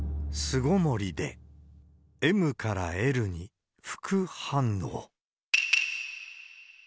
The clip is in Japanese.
巣ごもりで、ＭからＬに、服反応。